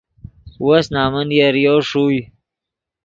وس نمن یریو ݰوئے